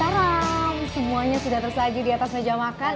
garam semuanya sudah tersaji di atas meja makan